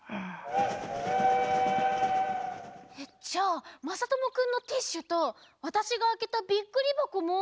えっじゃあまさともくんのティッシュとわたしがあけたビックリばこも。